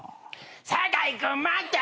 酒井君待った？